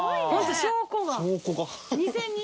証拠が